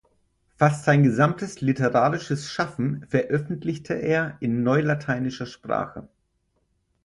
Fast sein gesamtes literarisches Schaffen veröffentlichte er in neulateinischer Sprache.